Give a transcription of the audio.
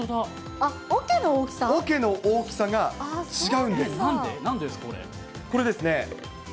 あっ、おけの大きさが違うんです。